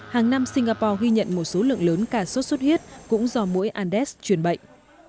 hàng năm singapore ghi nhận một số lượng lớn ca sốt xuất huyết cũng do mũi andes truyền bệnh